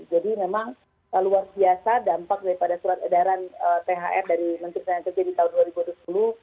jadi memang luar biasa dampak daripada surat edaran thr dari menteri penyelidikan di tahun dua ribu dua puluh